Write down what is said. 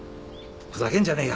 ふざけんじゃねえ。